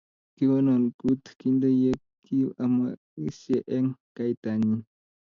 kikonon koot kinde yeki omeng'isiei eng kaitanyin